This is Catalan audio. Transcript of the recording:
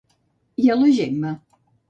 I a la Gemma?